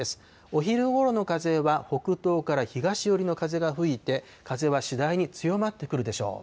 お昼ごろの風は北東から東寄りの風が吹いて、風は次第に強まってくるでしょう。